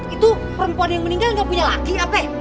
itu perempuan yang meninggal gak punya laki ya peh